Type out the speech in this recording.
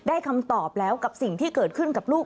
คำตอบแล้วกับสิ่งที่เกิดขึ้นกับลูก